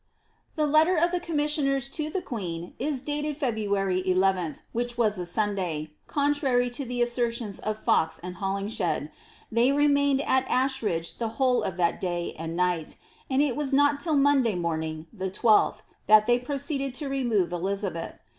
The letter of the commissioners to the queen is dated February 1 Ith, which was Sunday ; contrary to the assertions of Fox and Holinshed, they remained at Asheridge the whole of that day and night, and it was not till Monday morning, the 12th, that they proceeded to remove Eli zabeth.